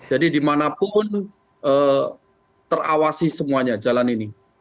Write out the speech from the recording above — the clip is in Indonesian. jadi dimanapun terawasi semuanya jalan ini